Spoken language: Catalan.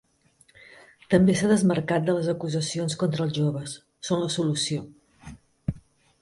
També s’ha desmarcat de les acusacions contra els joves: Són la solució.